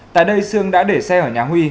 tại đây sương đã để xe ở nhà huy